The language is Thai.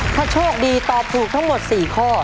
ถ้าโชคดีตอบถูกทั้งหมด๔ข้อ